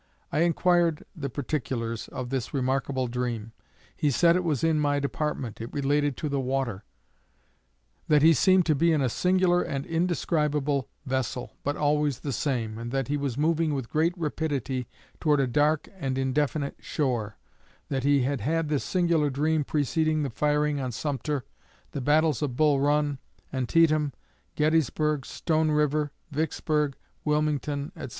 I inquired the particulars of this remarkable dream. He said it was in my department it related to the water; that he seemed to be in a singular and indescribable vessel, but always the same, and that he was moving with great rapidity toward a dark and indefinite shore; that he had had this singular dream preceding the firing on Sumter, the battles of Bull Run, Antietam, Gettysburg, Stone River, Vicksburg, Wilmington, etc.